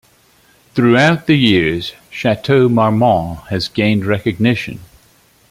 Throughout the years, Chateau Marmont has gained recognition.